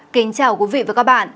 kính chào quý vị và các bạn